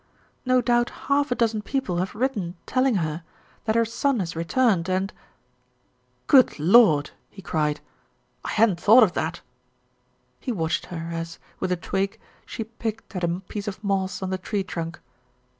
"No doubt half a dozen people have written telling her that her son has returned and " "Good Lord !" he cried. "I hadn't thought of that" He watched her as, with a twig, she picked at a piece of moss on the tree trunk.